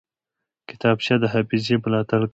کتابچه د حافظې ملاتړ کوي